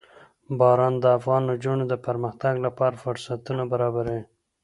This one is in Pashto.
باران د افغان نجونو د پرمختګ لپاره فرصتونه برابروي.